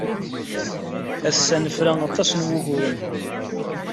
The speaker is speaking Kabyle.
Ass-a, nefra aṭas n wuguren.